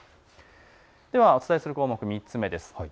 ではお伝えする項目、３つ目です。